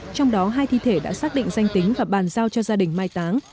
trong đó hai thi thể đã xác định danh tính và bàn giao cho gia đình mai táng